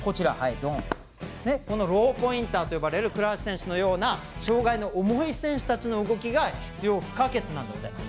ローポインターと呼ばれる倉橋選手のような障がいの重い選手たちの動きが必要不可欠なんでございます。